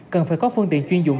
cần phải có phương tiện chuyên dụng